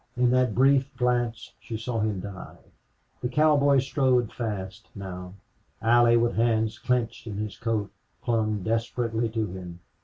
In that brief glance she saw him die. The cowboy strode fast now. Allie, with hands clenched in his coat, clung desperately to him.